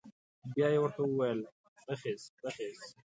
بيا یې ورته وويل بخېز بخېز.